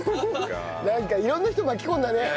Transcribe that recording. なんか色んな人巻き込んだね。